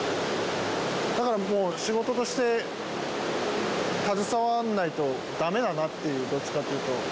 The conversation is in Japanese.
だからもう仕事として携わらないと駄目だなっていうどっちかというと。